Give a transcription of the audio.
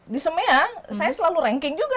di smp ya saya selalu ranking juga